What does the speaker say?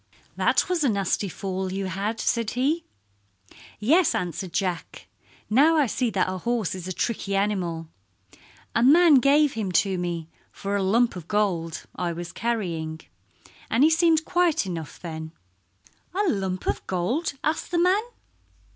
"That was a nasty fall you had," said he. "Yes," answered Jack. "Now I see that a horse is a tricky animal. A man gave him to me for a lump of gold I was carrying, and he seemed quiet enough then." "A lump of gold?" asked the man.